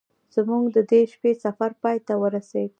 زموږ د دې شپې سفر پای ته ورسید.